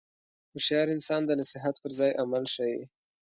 هوښیار انسان د نصیحت پر ځای عمل ښيي.